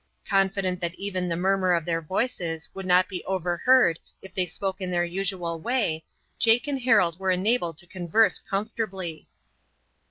Confident that even the murmur of their voices would not be overheard if they spoke in their usual way, Jake and Harold were enabled to converse comfortably.